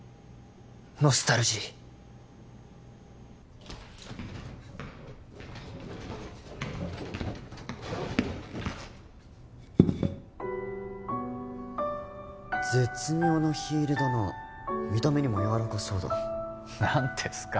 ノスタルジー絶妙な火入れだな見た目にもやわらかそうだ何ですか